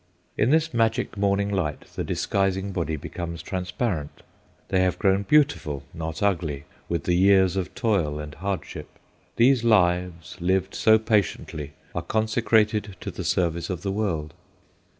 In this magic morning light the disguising body becomes transparent. They have grown beautiful, not ugly, with the years of toil and hardship; these lives, lived so patiently, are consecrated to the service of the world.